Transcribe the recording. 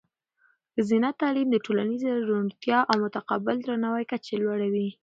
ښځینه تعلیم د ټولنیزې روڼتیا او د متقابل درناوي کچه لوړوي.